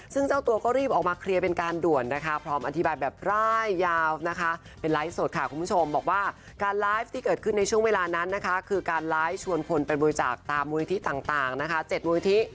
ซึ่งเจ้าตัวก็รีบออกมาเคลียร์เป็นการด่วนนะคะพร้อมอธิบายแบบร่ายยาวนะคะเป็นไลฟ์สดค่ะคุณผู้ชมบอกว่าการไลฟ์ที่เกิดขึ้นในช่วงเวลานั้นนะคะคือการไลฟ์ชวนคนไปบริจาคตามมูลนิธิต่างนะคะ๗มูลนิธิ